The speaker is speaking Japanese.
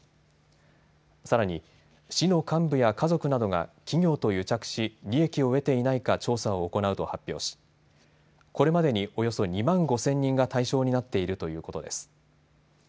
さらに市の幹部や家族などが企業と癒着し利益を得ていないか調査を行うと発表しこれまでにおよそ２万５０００人が対象になっているということです。